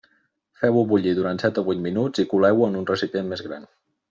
Feu-ho bullir durant set o vuit minuts i coleu-ho en un recipient més gran.